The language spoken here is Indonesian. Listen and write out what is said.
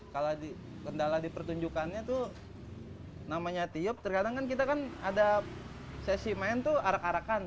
kalau kendala di pertunjukannya tuh namanya tiup terkadang kan kita kan ada sesi main tuh arak arakan